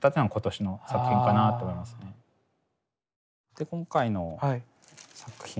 で今回の作品が。